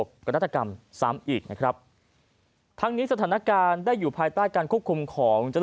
กนาฏกรรมซ้ำอีกนะครับทั้งนี้สถานการณ์ได้อยู่ภายใต้การควบคุมของเจ้า